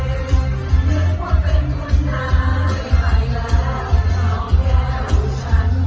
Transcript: เหนือว่าเป็นคุณนายไปแล้วของแก่ว่าฉัน